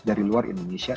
dari luar indonesia